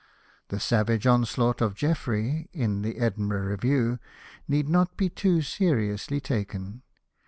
The savage onslaught of Jeffrey in the Edinburgh Review need not be too seriously taken.